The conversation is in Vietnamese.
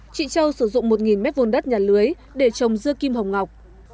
chị châu sử dụng một mét vùng đất nhà lưới để trồng dưa kim hồng ngọc